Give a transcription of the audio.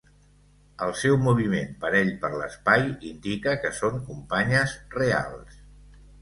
El seu moviment parell per l'espai indica que són companyes reals.